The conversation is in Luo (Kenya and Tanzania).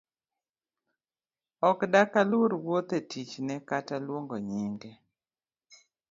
Ok dak aluor wuoth’e tichne kata luongo nyinge?